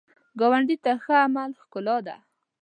ګاونډي ته ښه عمل ښکلا ده